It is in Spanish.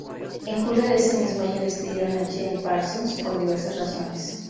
En julio de ese mismo año, despidieron a Gene Parsons por diversas razones.